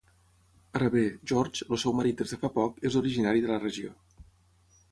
Ara bé, George, el seu marit des de fa poc, és originari de la regió.